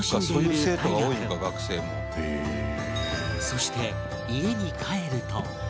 そして家に帰ると